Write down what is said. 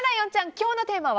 今日のテーマは？